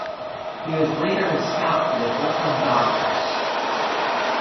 He was later a scout for the Brooklyn Dodgers.